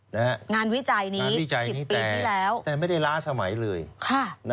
งานวิจัยนี้๑๐ปีที่แล้ว